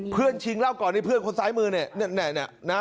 เพื่อนชิงเล่าก่อนเพื่อนคนซ้ายมือเนี่ย